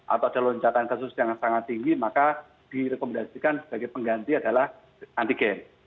atau ada lonjakan kasus yang sangat tinggi maka direkomendasikan sebagai pengganti adalah antigen